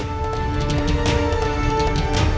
aku akan menangkan gusti ratu